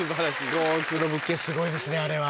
５億の物件すごいですねあれは。